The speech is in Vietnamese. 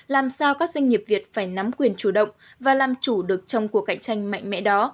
làm sao các doanh nghiệp việt phải nắm quyền chủ động và làm chủ được trong cuộc cạnh tranh mạnh mẽ đó